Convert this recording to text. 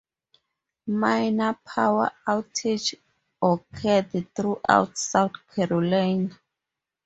Minor power outages occurred throughout South Carolina.